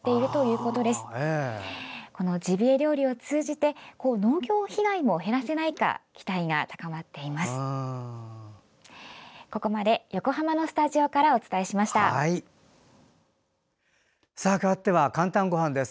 このジビエ料理を通じて農業被害も減らせないか期待も高まっています。